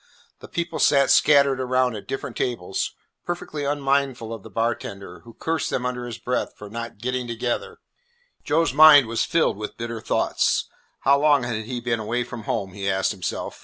The people sat scattered around at different tables, perfectly unmindful of the bartender, who cursed them under his breath for not "getting together." Joe's mind was filled with bitter thoughts. How long had he been away from home? he asked himself.